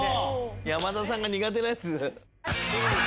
山田さんが苦手なやつ。